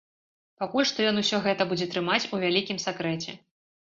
Пакуль што ён усё гэта будзе трымаць у вялікім сакрэце.